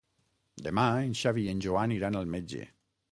Demà en Xavi i en Joan iran al metge.